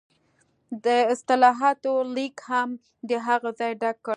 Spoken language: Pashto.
د اصلاحاتو لیګ هم د هغه ځای ډک کړ.